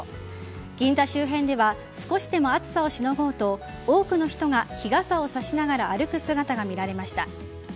銀座周辺では少しでも暑さをしのごうと多くの人が日傘を差しながら歩く姿が見られました。